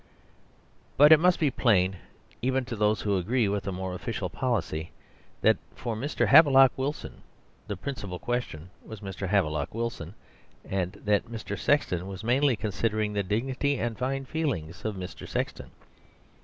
But it must be plain, even to those who agree with the more official policy, that for Mr. Havelock Wilson the principal question was Mr. Havelock Wilson; and that Mr. Sexton was mainly considering the dignity and fine feelings of Mr. Sexton.